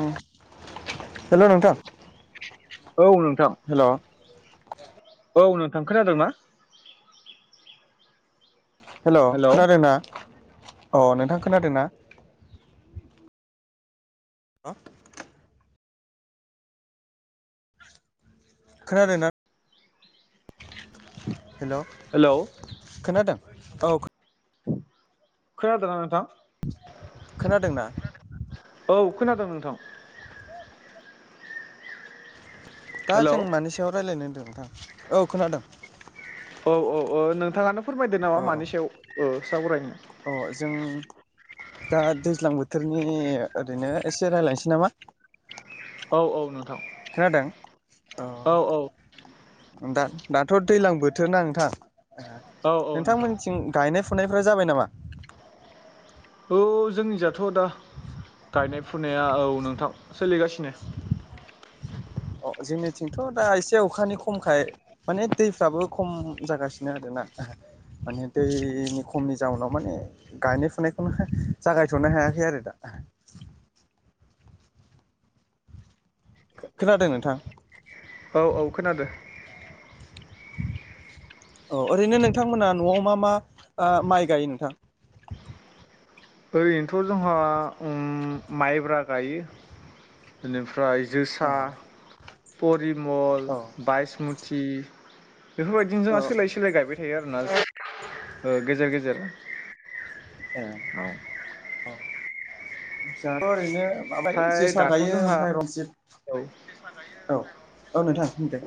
उम हेल' नोंथां औ नोंथां हेल' औ नोंथां खोनादों ना हेल' खोनादोंना अ नोंथां खोनादोंना हा खोनादोंना हेल' हेलौ खोनादों औ खोनादों ना नोंथां खोनादोंना औ खोनादों नोंथां दा हेलौ जों औ मानि सायाव रायलायनो होनदों नोंथां औ खोनादों औ औ औ नोंथाङानो फोरमायदो नामा औ मानि सायाव ओ सावरायनि अ जों दा दैज्लां बोथोरनि ओरैनो एसे रायलायनोसै नामा औ औ नो खोनादों औ औ दा दाथ' दैलां बोथोर ना नोंथां औ नोंथां नोंथांमोननिथिं गायनाय फुनायफोरा जाबाय नामा? औ जोंनिजाथ' दा गायनाय फुनाया औ नोंथां सोलिगासिनो अ जोंनिथिंथ' दा एसे अखानि खमखाय माने दैफ्राबो खम जागासिनो आरो। [unintelligible] माने दैनि खमनि जाउनाव माने गायनाय फुनायखौनो जागायथ'नो हायाखै आरो दा। [unintelligible] खोनादों नोंथां? औ औ खोनादो। [unintelligible] अ ओरैनो नोंथांमोना न'आव मा मा माइ गायो नोंथां। ओरैनोथ' जोंहा ओम माइब्रा गायो बेनिफ्राय औ जोसा परिमल औ बायसमुथि बेफोरबायदिनो औ जोंहा सोलाय सोलाय गायबाय थायो आरोना गेजेर गेजेर। ए औ अ जाथनो ओरैनो माबायो ओमफ्राय जोसा दाथ' गायो जोंहा ओमफ्राय औ रनजित औ। औ नोंथां दे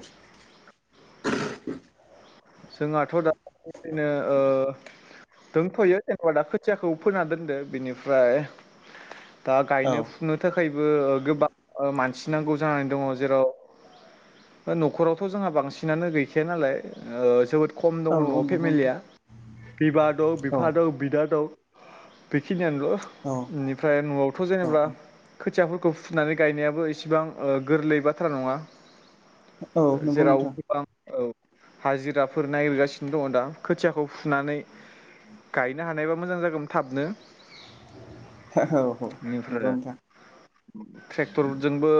जोंहाथ' दा बिदिनो ओ। दंथ'यो जेन'बा दा खोथियाखौ फोना दोनदो बिनिफ्राय दा औ गायनो फुनो थाखायबो गोबां मानसि नांगौ जानानै दङ जेराव न'खरावथ' जोंहा बांसिनानो गैखाया नालाय। ओ जोबोद खम औ दङ औ न'आव नंगौ फेमिलिया। नोंथां बिबा दं औ बिफा दं बिदा दं बेखि -खिनियानोल' औ बेनिफ्राय न'आवथ' औ जेनेबा खोथियाफोर। -खौ फुनानै गायनायाबो इसेबां गोरलै बाथ्रा नङा। औ नंगौ जेराव नोंथां गोबां औ हाजिराफोर नायगिरगासिनो दङ दा खोथियाखौ फुनानै गायनो हानायबा मोजां जागौ थाबनो। ओहौ नंगौ बेनिफ्राय नोंथां। ट्रेक्टरजोंबो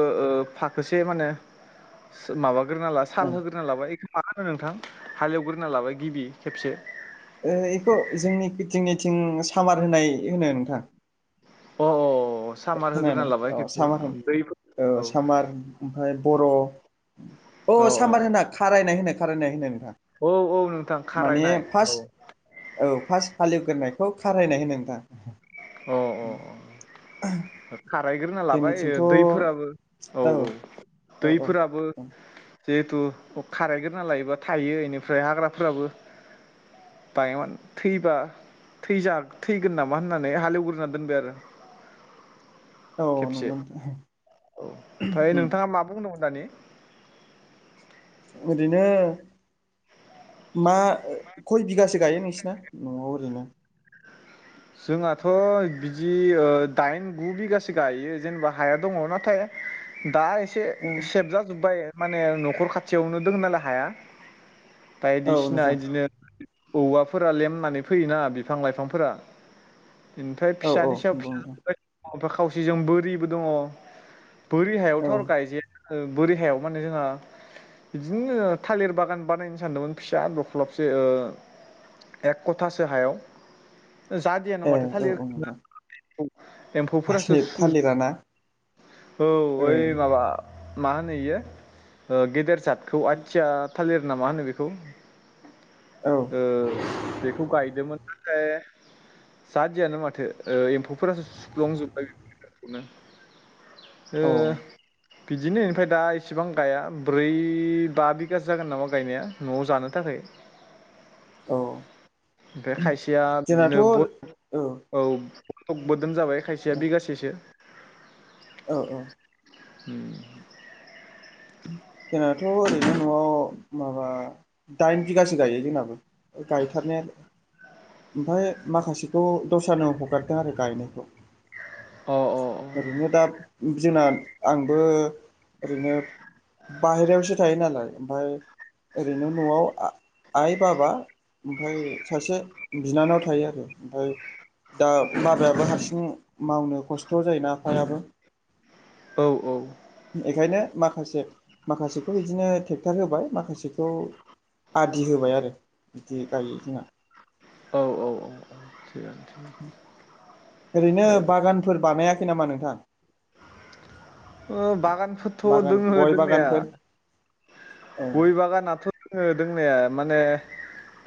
फाखोसे माने सो माबा होग्रोना ला ओं साल होग्रोना लाबाय बेखौ मा होनो नोंथां हालेवग्रोना लाबाय गिबि खेबसे थिं सामार होनाय होनो नोंथां। अ अ सामार होग्रोना खोनादों लाबाय औ खेबसे सामार होन दै औ। अ औ सामबार होना खारायनाय होनो खारायनाय होनो ओं। औ औ नोंथां माने खारायनाय औ फास फास हालेवग्रोनाय -खौ खारायनाय होनो नोंथां। औ औ औ खारायग्रोना लाबाय जोंनिथिंथ' औ दैफोराबो औ औ। औ दैफोराबो औ जिहेथु खारायग्रोना लायोबा थायो इनिफ्राय हाग्राफोराबो बाय मन थैबा थैजा थैगोन नामा होनना। हालएवग्रोननानै दोनबाय आरो। औ खेबसे नंगौ नोंथां। औ ओमफ्राय उम नोंथाङा मा बुंदोंमोन दानि? ओरैनो मा खय बिगासो गायो नोंसिना? न'आव ओरैनो। जोंहाथ' बिदि ओ दाइन गु बिगासो गायो जेनेबा हाया दङ' नाथाय दा एसे सेबजाजोब्बाय माने न'खर खाथियावनो दों नालाय हाया। औ बायदिसिना नोंथां इदिनो औवाफोरा लेमनानै फैयोना बिफां लाइफांफोरा। इनफाय औ औ फिसानि सायाव नंगौ फिसा नोंथां बेफोरबादिनो खावसेजों बोरिबो दङ'। बोरि हायावथ' औ आरो गायजायानो बोरि हायाव माने जोंआ बिदिनो ओ थालिर बागान बानायनो सानदोंमोन फिसा दख्ल'बसे ओ एक क'थासो हायाव जादियानो ए माथो औ थालिर औ नोंथां एम्फौफोरासो थालिरा ना सुजोब औ ओइ ओ माबा मा होनो इयो ओ गेदेर जातखौ आथिया थालिर नामा होनो बेखौ? औ ओ बेखौ गायदोंमोन नाथाय जादियानो माथो ओ एम्फौफोरासो सुफ्लंजोब्बाय बेफोरखौनो। ओ औ बिदिनो इनिफाय दा इसेबां गाया ब्रै बा बिगासो जागोन नामा गायनाया न'आव जानो थाखाय। औ इनिफाय खायसेया जोंनाथ' बिदिनो औ बद औ। दोन जाबाय खायसेया बिगासेसो। औ औ। होम उम जोंनाथ' ओरैनो न'आव माबा दाइन बिगासो गायो जोंनाबो गायथारनाया। ओमफाय माखासेखौ दस्रानो हगारदों आरो गायनायखौ। अ ओरैनो दा जोंना आंबो ओरैनो बाहेरायावसो थायो नालाय ओमफाय ओरैनो न'आव आ आइ बाबा ओमफाय सासे बिनानाव थायो आरो ओमफाय दा बाबायाबो हारसिं मावनो खस्थ' जायोना आफायाबो औ औ। बेखायनो माखासे माखासेखौ इदिनो टेक्टार होबाय माखासेखौ आदि होबाय आरो बिदि गायो जोंना। औ औ औ औ। ओरैनो बागानफोर बानायाखै नामा नोंथां? बागानफोरथ' बागान दोङो गय दोंनाया बागानफोर ओ गय बागानाथ' दोङो दोंनाया माने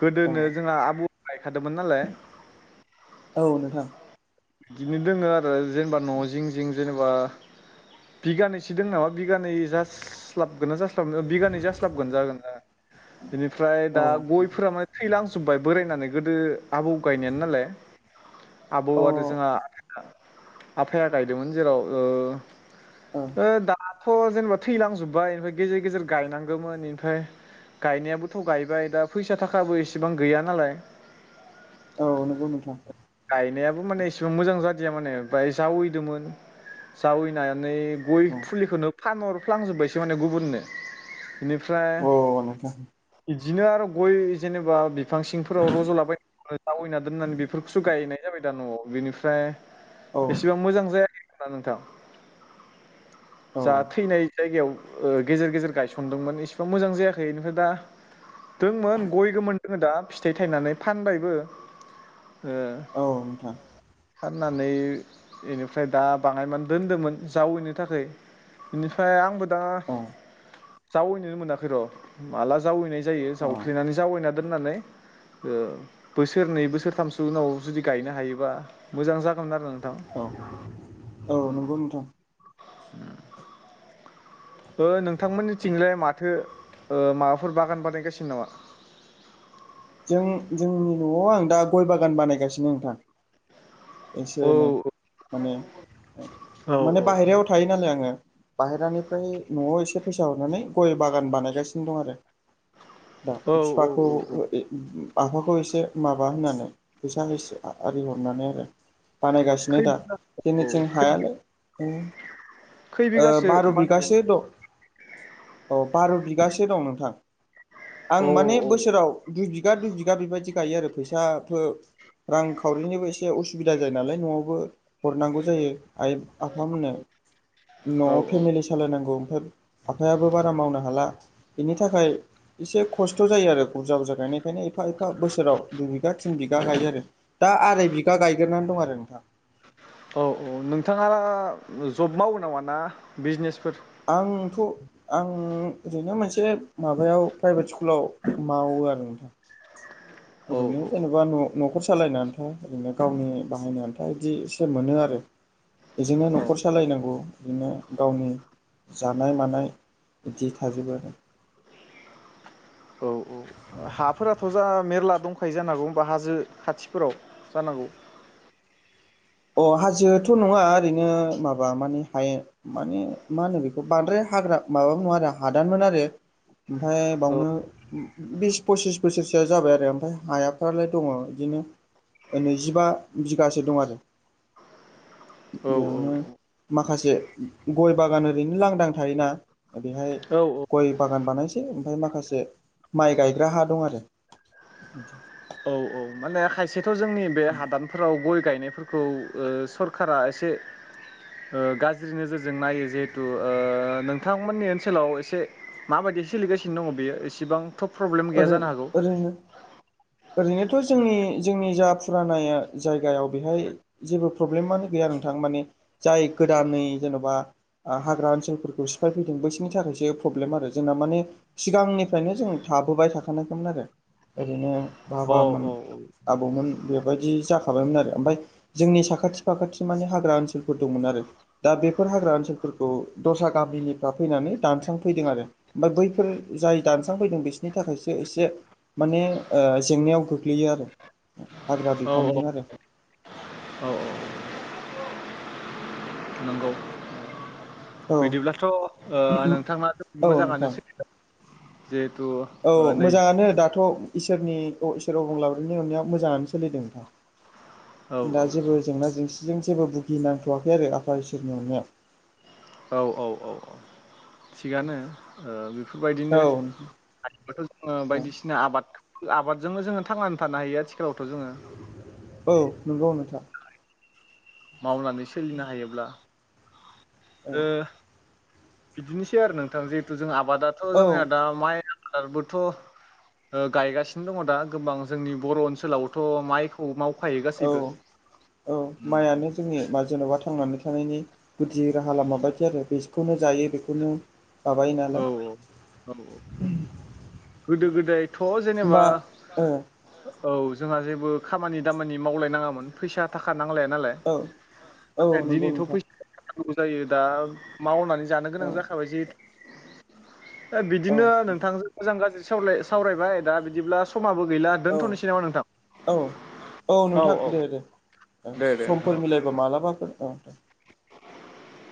गोदोनो जोंहा आबौ खादोंमोन नालाय‌ ओ औ नोंथां इदिनो दोङो आरो जेनेबा न' जिं जिं जेनेबा बिगानैसो दों नामा बिगानै जास्लाबगोना जास थबनो बिगानै जास्लाबगोन जागोन ओ इनिफ्राय औ दा गयफ्रा मां थोयलां जोब्बाय बोरायनानै गोदो आबौ गायनायानो नालाय आबौ अ आरो जोहा ओं आफाया गायदोंमोन जेराव ओ ओ दा थ' जेनेबा थैलांजोबबाय इनफाय गेजेर गेजेर गायनांगोमोन इनफाय गायनायाबोथ' गायबाय दा फैसा थाखाबो एसेबां गैया नालाय औ नोंगौ नोंथां। गायनायाबो माने इसेबां मोजां जादिया माने बाय जावैदोंमोन जावैनानै गय फुलिखौनो फानहरफ्लांजोब्बायसो माने गुबुननो। इनिफ्राय औ अ नोंथां इदि दिनो आरो गय जेनेबा बिफां सिंफोराव रज'लाबाय ओ जावायना दोननानै बेफोरख खौसो गायनाय जाबाय दा न'आव बिनिफ्राय औ एसेबां मोजां जायाखै। आ नोंथां औ जा थैनाय जायगायाव ओ गेजेर गेजेर गायसनदोंमोन इसिबां मोजां जायाखै इनिफाय दा दोंमोन गय गोमोन जोङो दा फिथाइ थायनानै फानबायबो हो औ नोंथां फाननानै बेनिफ्राय दा बाङायनानै दोन्दोंमोन जावैनो थाखाय इनिफ्राय आंबो दा औ जावैनोनो मोनाखै र' माला जावैनाय जायो अ जावफ्लेनानै जावैना दोननानै। ओ बोसोरनै बोसोरथामसो उनाव जुदि गायनो हायोबा मोजां जागोमोन आरो। नोंथां अ औ नोंगौ नोंथां। होम ओ नोंथांमोननिथिंजाय माथो ओ माबाफोर बागान बानायगासिनो नामा? जों जोंनि नआव आं दा गय बागान बानायगासिनो नोंथां। एसे औ एनै माने औ माने औ औ बाहेरायाव थायो नालाय आङो। बाहेरानिफ्राय नआव एसे फैसा हरनानै गय बागान बानायगासिनो दं आरो दा औ बिफाखौ औ औ [inaudible] आफाखौ एसे माबा होनानै फैसा एसे आरि हरनानै आरो। बानायगासिनो खै दा बिगा औ जोंनिथिं खै हायालै ओ खै बिगासो बार बानायगोन बिगासो द अ बार बिग बिगासो दं नोंथां अ आं माने औ बोसोराव दुर बि बिगा दूय बिगा बेबायदि गायो आरो फैसा फो रां खावरिनिबो इसे उसु सुबिदा जायो नालाय नआवबो। हरनांगौ जायो आइ आफामोननो औ नआव फेमिलि सालायनांगौ। ओ आफायाबो बारा मावनो हाला बेनि थाखाय। एसे खस्थ जायो आरो बुरजा बुरजा गायनायखायनो एफा एफा बोसोराव दुइ बिगा थिन बिगा गायो आरो दा। दा आराय बिगा गायग्रोनानै दं आरो नोंथां। औ औ नोंथाङा जब मावो नाङा ना बिजनेसफोर। आंथ आं ओरैनो मोनसे माबायाव प्राइभेट स्कुलाव माव वो आरो नोंथां औ ओरैनो औ जेनेबा न नखर सा सालायनो आन्था ओरैनो गावनि बाहायनो आन्था बिदि एसे मोनो आरो। बेजोंनो औ नखर सालायनांगौ बिदिनो गावनि जानाय मानाय बिदि थाजोबो आरो। औ औ हाफोराथ जा मेरला दंखायो जानांगौ ओमबा हाजो खाथिफोराव जानांगौ। [inaudible] अ हाजोआथ नङा ओरैनो माबा माने हाय माने मा होनो बेखौ बारद्राय हाग्रा माबाबो नङा आरो हादानमोन आरो। ओमफाय औ बावनो बिस फसिस बोसोरसोआ जाबाय आरो ओमफाय हायाफ्रालाय दङ। नो नैजिबा बिघासो दं आरो। औ बेयावनो माखासे गय बागान ओरैनो लांदां थायोना बेहाय औ औ गय बागान बानायसै ओमफाय माखासे माइ गायग्रा हा दं आरो। औ औ माने खायसेथ जोंनि बे हादानफोराव गय गायनायफोरखौ ओ सरकारा एसे ओ गाज्रि नोजोरजों नायो जिहेथु ओ नोंथांमोननि ओनसोलाव एसे मा बायद दि सोलिगासिनो दङ बेयो एसेबां थब प्रब्लेम गैया ओरै जानो हागौ। ओरैनो ओरैनोथ जोंनि जोंनि जा फुरानाया जायगायाव बेहाय जेबो प्रब्लेमानो गैया। या नोंथां माने जाय गोदानै जेनबा आ हाग्रा ओनसोलफोरखौ सिफायफैदों बैसोरनि थाखायसो प्रब्लेम आरो जोंना माने सिगांनिफ्रायनो जों। थाबोबाय थाखानायखामोन आरो ओरैनो औ बाबामोन। आबौमोन बेबायदि जाखाबायमोन आरो ओमफाय जोंनि साखाथि फाखाथि माने हाग्रा ओनसोलफोर दंमोन आरो दा बेफोर हाग्रा ओनसोलफोरखौ दस्रा गामिनिफ्राय फैनानै दानस्रांफैदों आरो ओमफाय बैफोर जाय दानस्रांफैदों बिसनि थाखायसो एसे माने ओ जेंनायाव गोग्लैयो आरो। हाग्रा औ बिफानजों आरो। औ औ। नंगौ औ बिदिब्लाथ ओ नोंथाङा औ मोजाङानो नोंथां सोलि औ मोजाङानो दाथ'। इसोरनि अबं लाब्रनि अननायाव मोजाङानो सोलिदों औ नोंथां। दा जेबो जेंना जेंसि जों जेबो भुगिनांथ'वाखै आरो आफा इसोरनि अननायाव। औ औ औ थिगानो बेफोरबायदिनो औ ओ बेफोरबायदिनो नोंथां औ बायदिसिना आबाद आबादजोंनो जोङो थांनानै थानो हायो आथिखालावथ' जोङो। औ नंगौ नोंथा। मावनानै सोलिनो हायोब्ला ओ बिदिनोसै आरो नोंथां जिहेथु जों आबादाथ' औ जोंहा दा माइ [inaudible] थ' ओ गायगासिनो दङ दा गोबां जोंनि बर' ओनसोलावथ' माइखौ माव औ औ माइआनो जोंनि म जेन'बा थांनानै थानायनि गुदि राहा लामा बायदि आरो बेसखौनो जायो बेखौनो माबायो औ नालाय औ [inaudible] औ गोदो गोदायथ' जेनेबा होमबा ओ औ जोंहा जेबो खामानि दामानि मावलायनाङामोन फैसा थाखा नांलाया नालाय औ औ नंगौ दिनैथ' नोंथां फै [inaudible] जायो दा मावनानै जानो गोनां औ जाखाबाय जिहेथु दा औ बिदिनो नोंथां। नोंथांजों मोजां गाज्रि साला सावरायबाय दा बिदिब्ला स'माबो गैला औ दोनथ'नोसै नामा नोंथां? औ औ नोंथां दे दे औ दे दे समफोर मिलायबा मालाबाफोरोन औ। [inaudible]